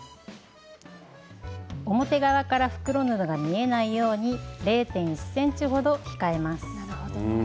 表側から袋布が見えないように０．１ｃｍほど控えます。